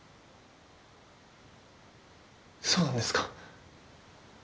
そうなんですか？